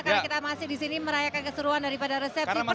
karena kita masih disini merayakan keseruan daripada resepsi pernikahan